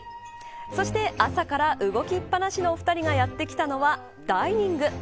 そして、朝から動きっぱなしの２人がやって来たのはダイニング。